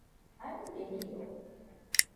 Jarire jiro.